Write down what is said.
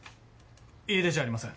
家出じゃありません。